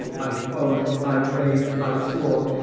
I foamed—I raved—I swore!